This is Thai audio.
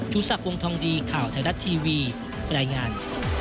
ชุดศักดิ์วงธองดีข่าวไทยรัฐทีวีบรรยายงาน